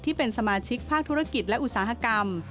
ที่เป็นสมาชิกภาคธุรกิจและอุตสาหกรรม